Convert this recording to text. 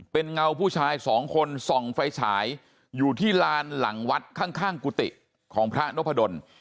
เป็นเงาผู้ชายสองคนส่องไฟฉายอยู่ที่ลานหลังวัดข้างกุฏิของพระนพดล